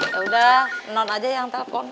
ya udah non aja yang telpon